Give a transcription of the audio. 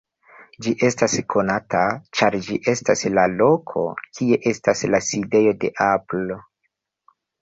Ĝi estas konata, ĉar ĝi estas la loko, kie estas la sidejo de Apple.